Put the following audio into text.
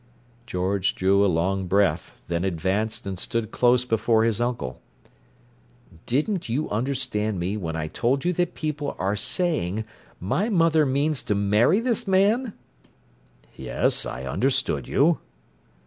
George drew a long breath, then advanced and stood close before his uncle. "Didn't you understand me when I told you that people are saying my mother means to marry this man?" "Yes, I understood you."